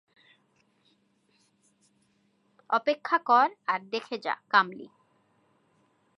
অপেক্ষা কর আর দেখে যা, কামলি।